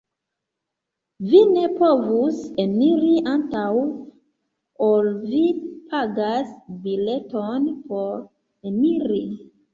Vi ne povus eniri antaŭ ol vi pagas bileton por eniri.